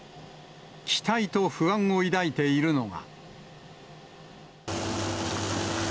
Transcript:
期待と不安を抱いているのが。